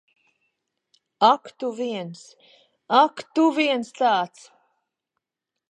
Ak tu viens. Ak, tu viens tāds!